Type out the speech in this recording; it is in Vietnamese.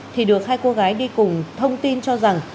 thì được hai cô gái đi cùng thông tin cho rằng